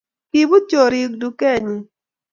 kibut choriik dukenyin